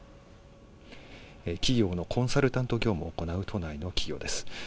企業のコンサルタント業務を行う都内の企業です。